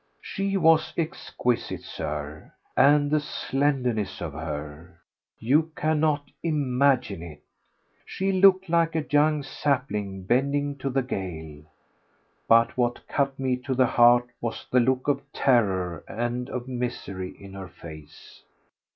She was exquisite, Sir! And the slenderness of her! You cannot imagine it! She looked like a young sapling bending to the gale. But what cut me to the heart was the look of terror and of misery in her face.